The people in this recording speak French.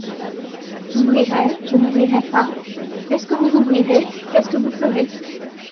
J'ouvrirai, je n'ouvrirai pas, est-ce que vous ouvrirez, qu'est-ce que vous ferez.